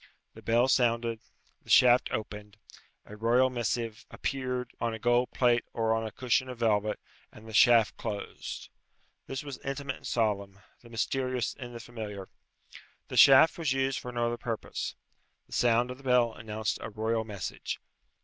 The bell sounded, the shaft opened, a royal missive appeared on a gold plate or on a cushion of velvet, and the shaft closed. This was intimate and solemn, the mysterious in the familiar. The shaft was used for no other purpose. The sound of the bell announced a royal message.